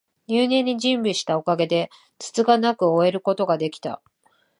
入念に準備したおかげで、つつがなく終えることが出来た